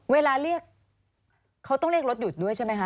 เวลาเรียกเขาต้องเรียกรถหยุดด้วยใช่ไหมคะ